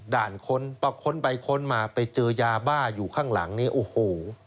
ค้นพอค้นไปค้นมาไปเจอยาบ้าอยู่ข้างหลังนี้โอ้โห